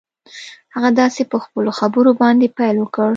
هغه داسې په خپلو خبرو باندې پيل وکړ.